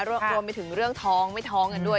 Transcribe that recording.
รวมไปถึงเรื่องท้องไม่ท้องกันด้วย